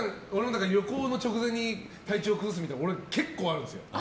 結構、旅行の直前に体調を崩すみたいなの俺、結構あるんですよ。